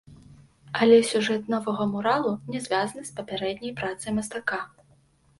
Але сюжэт новага муралу не звязаны з папярэдняй працай мастака.